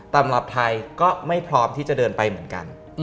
สำหรับไทยก็ไม่พร้อมที่จะเดินไปเหมือนกัน